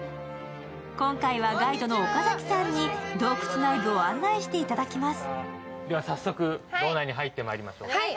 今回はガイドの岡崎さんに洞窟内部を案内していただきます。